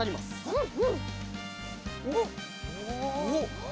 うん！